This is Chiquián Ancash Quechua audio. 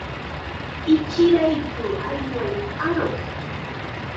Ichiraytsu, ayway aruq.